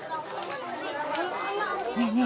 ねえねえ